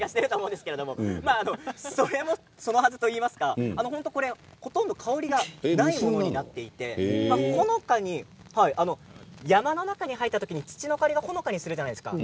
それもそのはずといいますかほとんど香りがないものになっていてほのかに山の中に入った時に土の香りがほのかにするじゃないですか。